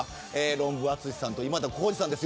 ロンブーの淳さんと今田耕司さんです。